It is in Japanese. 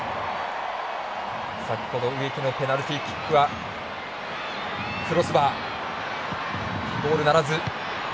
先ほど植木のペナルティーキックはクロスバーゴールならず。